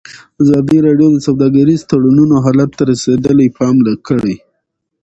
ازادي راډیو د سوداګریز تړونونه حالت ته رسېدلي پام کړی.